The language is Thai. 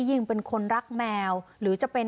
ยิ่งเป็นคนรักแมวหรือจะเป็น